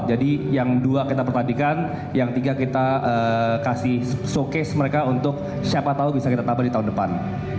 jadi yang dua kita pertandingkan yang tiga kita kasih showcase mereka untuk siapa tau bisa kita tabel di tahun depan